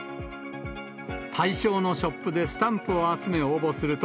対象のショップでスタンプを集め、応募すると、